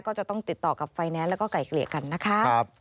ก็จะต้องติดต่อกับไฟแนนซ์แล้วก็ไกลเกลี่ยกันนะคะ